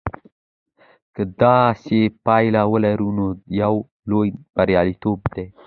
که داسې پایله ولري نو دا یو لوی بریالیتوب دی.